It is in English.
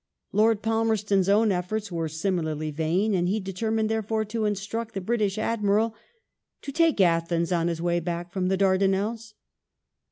Lord Palmerston's own efforts were similarly vain, and he determined, therefore, to instruct the British Admiral " to take Athens on his way back from the Dardanelles